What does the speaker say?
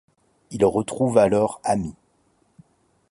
Il retrouve alors Amy.